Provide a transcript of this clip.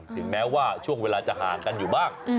ถึงแม้ว่าช่วงเวลาจะห่างกันอยู่บ้าง